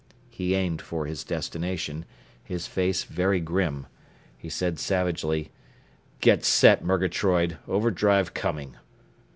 He aimed for his destination, his face very grim. He said savagely, "Get set, Murgatroyd! Overdrive coming!"